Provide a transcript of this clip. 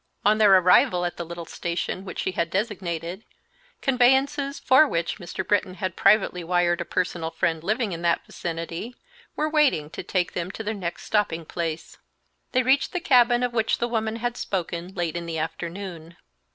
On their arrival at the little station which she had designated, conveyances, for which Mr. Britton had privately wired a personal friend living in that vicinity, were waiting to take them to their next stopping place. They reached the cabin of which the woman had spoken, late in the afternoon.